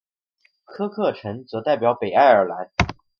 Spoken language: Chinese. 科克城则代表北爱尔兰。